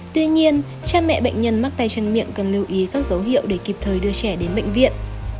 tuy nhiên cha mẹ bệnh nhân mắc tay chân miệng cần lưu ý các dấu hiệu để kịp thời đưa trẻ đến bệnh viện